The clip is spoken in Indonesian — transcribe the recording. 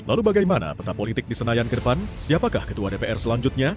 lalu bagaimana peta politik di senayan ke depan siapakah ketua dpr selanjutnya